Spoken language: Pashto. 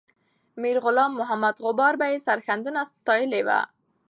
میرغلام محمد غبار به یې سرښندنه ستایلې وه.